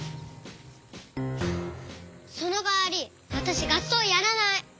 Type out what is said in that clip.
そのかわりわたしがっそうやらない。